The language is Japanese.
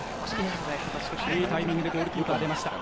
いいタイミングでゴールキーパー出ました。